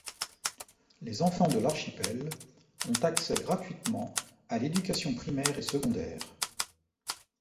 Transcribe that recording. Les enfants de l'archipel ont accès gratuitement à l'éducation primaire et secondaire.